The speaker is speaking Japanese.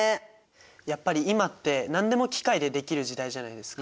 やっぱり今って何でも機械でできる時代じゃないですか。